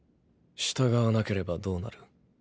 従わなければどうなる？